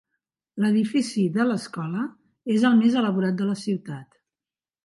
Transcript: L"edifici de l"escola és el més elaborat de la ciutat.